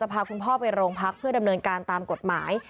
พาคุณพ่อไปโรงพักเพื่อดำเนินการตามกฎหมาย